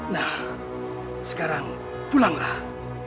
nah sekarang pulanglah